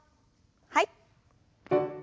はい。